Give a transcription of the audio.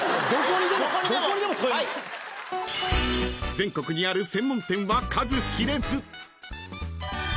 ［全国にある専門店は数知れず］